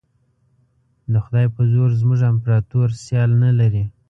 د خدای په زور زموږ امپراطور سیال نه لري.